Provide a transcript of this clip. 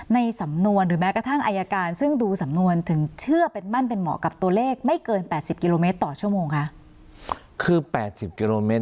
ในสำนวนหรือแม้กระทั่งอายการซึ่งดูสำนวนถึงเชื่อเป็นมั่นเป็นเหมาะกับตัวเลขไม่เกิน๘๐กิโลเมตรต่อชั่วโมงคะคือแปดสิบกิโลเมตร